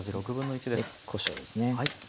こしょうですね。